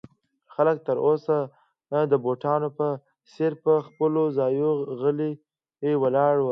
خلک تر اوسه د بتانو په څېر پر خپلو ځایو غلي ولاړ ول.